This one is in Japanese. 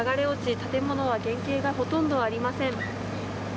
建物は原形がほとんどありません。